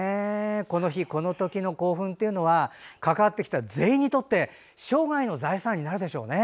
この日この時の興奮というのは関わってきた全員にとって生涯の財産になるでしょうね。